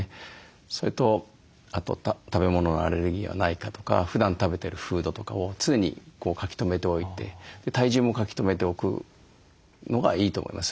それとあと食べ物のアレルギーはないかとかふだん食べてるフードとかを常に書き留めておいて体重も書き留めておくのがいいと思います。